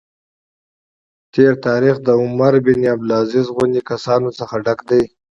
تېر تاریخ له عمر بن عبدالعزیز غوندې کسانو څخه ډک دی.